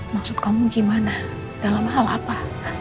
maksud kamu gimana dalam hal apa